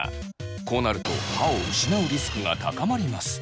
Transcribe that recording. こうなると歯を失うリスクが高まります。